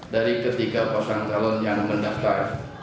dari ketiga pasang calon yang mendaftar